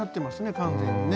完全にね。